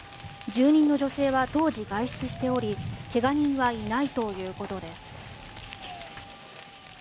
住人の女性は当時、外出しており怪我人はいないということです。